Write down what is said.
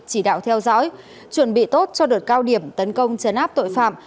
chỉ đạo theo dõi chuẩn bị tốt cho đợt cao điểm tấn công chấn áp tội phạm